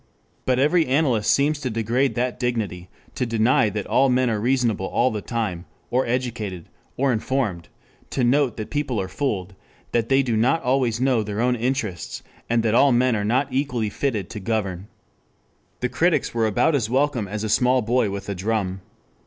But every analyst seems to degrade that dignity, to deny that all men are reasonable all the time, or educated, or informed, to note that people are fooled, that they do not always know their own interests, and that all men are not equally fitted to govern. The critics were about as welcome as a small boy with a drum.